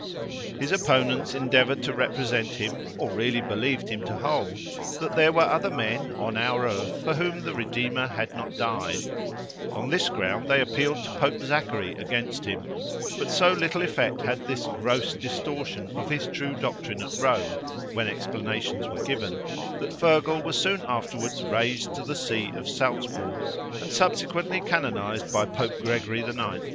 His opponents endeavoured to represent him, or really believed him to hold, that there were other men, on our earth, for whom the Redeemer had not died; on this ground they appealed to Pope Zachary against him; but so little effect had this gross distortion of his true doctrine at Rome, when explanations were given, that Feargal was soon afterwards raised to the See of Saltzburgh, and subsequently canonized by Pope Gregory IX.